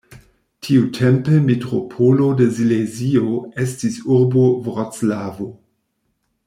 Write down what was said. Tiutempe metropolo de Silezio estis urbo Vroclavo.